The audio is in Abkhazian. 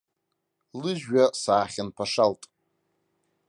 Лыжәҩа саахьынԥашалт.